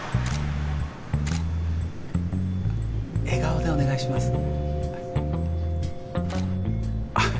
笑顔でお願いします。